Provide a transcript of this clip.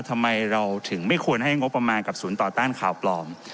ทำไมเราถึงไม่ควรให้งบประมาณกับศูนย์ต่อต้านข่าวปลอม